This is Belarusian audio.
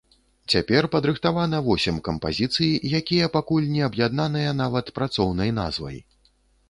Цяпер падрыхтавана восем кампазіцый, якія пакуль не аб'яднаныя нават працоўнай назвай.